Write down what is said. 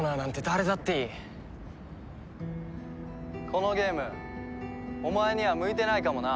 このゲームお前には向いてないかもな。